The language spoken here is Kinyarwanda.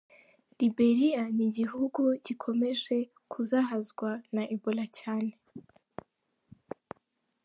Liberiya ni igihugu gikomeje kuzahazwa na Ebola cyane.